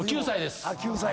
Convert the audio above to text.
９歳です。